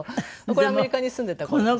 これアメリカに住んでた頃です。